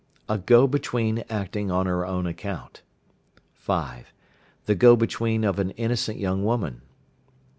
A go between acting on her own account. (5). The go between of an innocent young woman.